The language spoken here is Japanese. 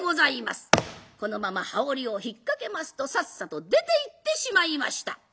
このまま羽織を引っ掛けますとさっさと出ていってしまいました。